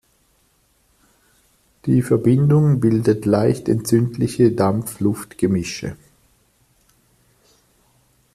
Die Verbindung bildet leicht entzündliche Dampf-Luft-Gemische.